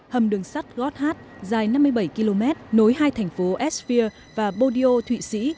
hầm đường sắt goddard dài năm mươi bảy km nối hai thành phố esfyr và bodio thụy sĩ